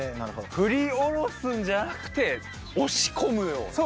振り下ろすんじゃなくて押し込むような。